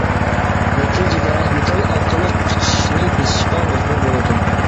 نەتىجىدە، يۆتەل ئارقىلىق قىچىشىشنى بېسىشقا مەجبۇر بولىدۇ.